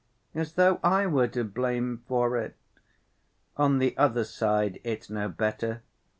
'—as though I were to blame for it. On the other side it's no better.